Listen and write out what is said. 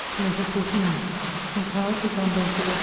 LETTER XLIX MISS HOWE, TO JOHN BELFORD, ESQ.